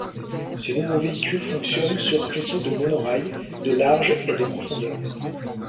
Ces nouveaux véhicules fonctionnent sur un faisceau de monorail, de large et de profondeur.